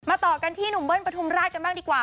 ต่อกันที่หนุ่มเบิ้ลปฐุมราชกันบ้างดีกว่า